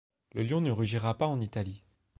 Le Lion ne rugira pas en Italie.